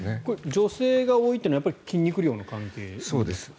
女性が多いというのは筋肉量の関係ですか。